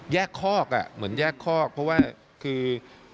คอกเหมือนแยกคอกเพราะว่าคือ